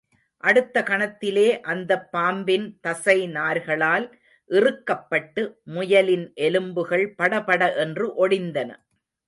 அடுத்த கணத்திலே அந்தப் பாம்பின் தசைநார்களால் இறுக்கப்பட்டு, முயலின் எலும்புகள் படபட என்று ஒடிந்தன.